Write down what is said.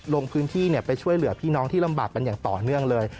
ลงพื้นที่ไปช่วยเหลือพี่น้องที่ลำบากกันอย่างต่อเนื่องเลย